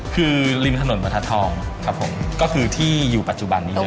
คือริมถนนประทัศนทองครับผมก็คือที่อยู่ปัจจุบันนี้เลย